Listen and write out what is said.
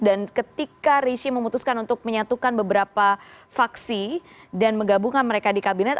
dan ketika rishi memutuskan untuk menyatukan beberapa vaksi dan menggabungkan mereka di kabinet